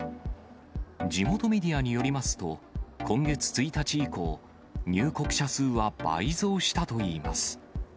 地元メディアによりますと、今月１日以降、入国者数は倍増したといいます。